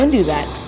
jangan lakukan itu